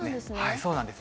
そうなんですね。